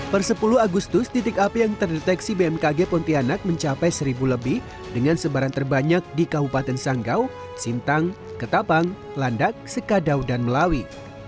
per sepuluh agustus titik api yang terdeteksi bmkg pontianak mencapai seribu lebih dengan sebaran terbanyak di kabupaten sanggau sintang ketapang landak sekadau dan melawi